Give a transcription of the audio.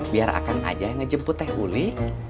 biar akan aja yang ngejemput teh uli